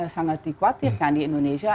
sangat dikhawatirkan di indonesia